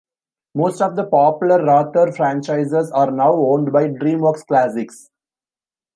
Most of the popular Wrather franchises are now owned by DreamWorks Classics.